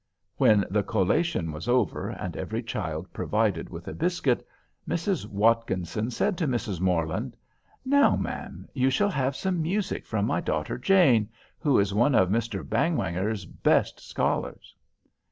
When the collation was over, and every child provided with a biscuit, Mrs. Watkinson said to Mrs. Morland: "Now, ma'am, you shall have some music from my daughter Jane, who is one of Mr. Bangwhanger's best scholars."